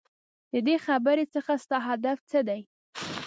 ددې خبرې څخه ستا هدف څه دی ؟؟